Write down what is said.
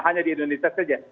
hanya di indonesia saja